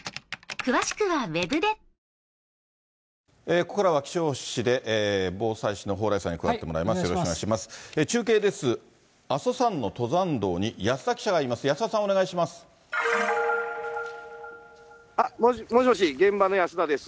ここからは気象予報士で、防災士の蓬莱さんにも加わってもらいます。